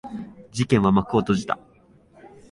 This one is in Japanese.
事件は幕を閉じた。